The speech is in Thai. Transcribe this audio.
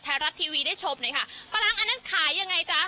รัฐทีวีได้ชมหน่อยค่ะปลาร้างอันนั้นขายยังไงจ๊ะ